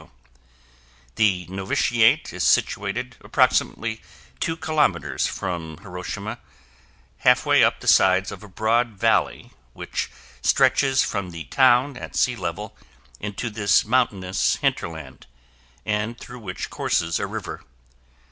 The Novitiate is situated approximately two kilometers from Hiroshima, half way up the sides of a broad valley which stretches from the town at sea level into this mountainous hinterland, and through which courses a river.